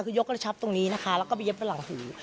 คือยกระชับตรงนี้นะคะแล้วก็ไปเย็บไปหลังหู